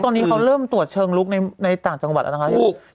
ตอนนี้เขาเริ่มตรวจเชิงลุกในต่างจังหวัดแล้วนะคะยัง